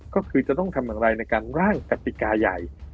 ก็คือจะต้องทำอย่างไรในการร่างกติกาใหญ่